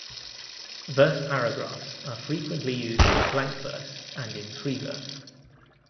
Verse paragraphs are frequently used in blank verse and in free verse.